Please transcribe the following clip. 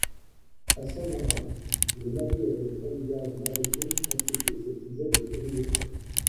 Ancien marin, les navires et les paysages maritimes constituent ses sujets de prédilection.